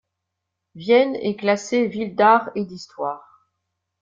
Vienne est classée ville d'art et d'histoire.